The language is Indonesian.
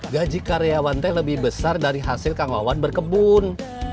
gaji karyawan itu lebih besar dari hasil kang wawan berkebun